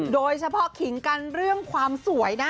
โดยเฉพาะขิงกันเรื่องความสวยนะ